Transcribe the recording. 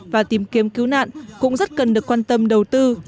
và tìm kiếm cứu nạn cũng rất cần được quan tâm đầu tư